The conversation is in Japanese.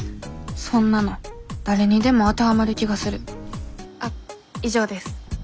そんなの誰にでも当てはまる気がするあっ以上です。